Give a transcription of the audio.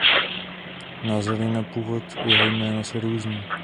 Názory na původ jeho jména se různí.